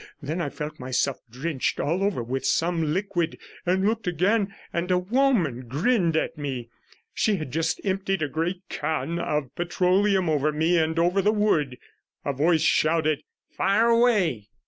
Then I felt myself drenched all over with some liquid, and looked again, and a woman grinned at me. She had just emptied a great can of petroleum over me and over the wood. A voice shouted, 'Fire away!'